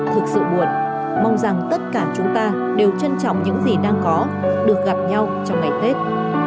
thực sự buồn mong rằng tất cả chúng ta đều trân trọng những gì đang có được gặp nhau trong ngày tết